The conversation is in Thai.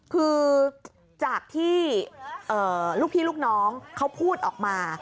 คือจากที่ลูกพี่ลูกน้องเขาพูดออกมา